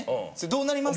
どうなります？